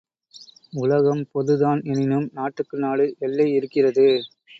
உலகம் பொது தான். எனினும் நாட்டுக்கு நாடு எல்லை இருக்கிறது.